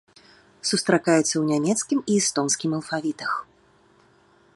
Сустракаецца ў нямецкім і эстонскім алфавітах.